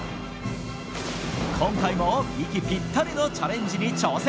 今回も息ぴったりのチャレンジに挑戦。